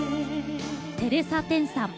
テレサ・テンさん。